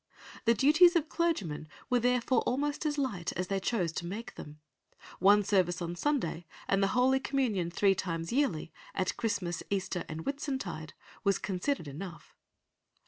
The duties of clergymen were therefore almost as light as they chose to make them. One service on Sunday, and the Holy Communion three times yearly, at Christmas, Easter, and Whitsuntide, was considered enough.